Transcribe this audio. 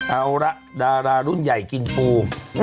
เอาละดารารุ่นใหญ่กินปู